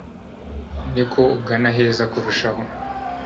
ni uko ugana aheza kurushaho